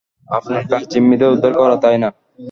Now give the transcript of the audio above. আপনার কাজ জিম্মিদের উদ্ধার করা, তাই না?